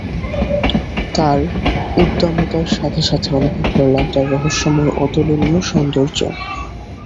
তার উদ্দামতার সাথে সাথে অনুভব করলাম তার রহস্যময় অতুলনীয় সৌন্দর্য।